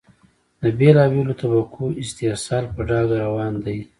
د بېلا بېلو طبقو استحصال په ډاګه روان دی.